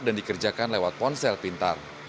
dan dikerjakan lewat ponsel pintar